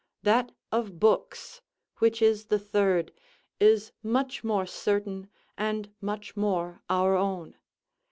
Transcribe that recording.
That of books, which is the third, is much more certain, and much more our own.